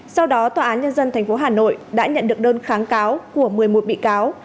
sau đó tòa án nhân dân tp hà nội đã nhận được đơn kháng cáo của một mươi một bị cáo